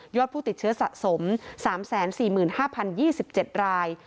ผู้ติดเชื้อสะสม๓๔๕๐๒๗ราย